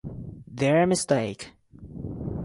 Their mistake.